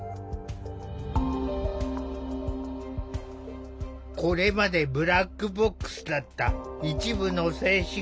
これまでブラックボックスだった一部の精神科病院の実態。